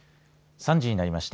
３時になりました。